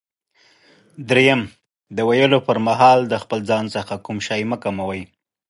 دریم: د ویلو پر مهال د خپل ځان څخه کوم شی مه کموئ.